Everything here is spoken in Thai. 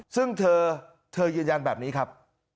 ซึ่งเธอเธอยืนยันแบบนี้ครับ